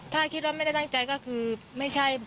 ถ้าคิดว่าไม่ได้ตั้งใจก็คือไม่ใช่